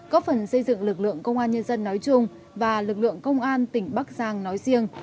có phần xây dựng lực lượng công an nhân dân nói chung và lực lượng công an tỉnh bắc giang nói riêng